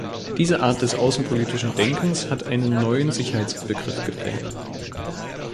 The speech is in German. Diese Art des außenpolitischen Denkens hat einen neuen Sicherheitsbegriff geprägt.